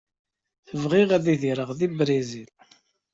Bɣiɣ ad idireɣ deg Brizil.